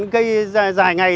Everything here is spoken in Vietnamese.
cây dài ngày